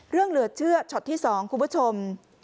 เรื่องเหลือเชื่อชอตที่๒คุณผู้ชม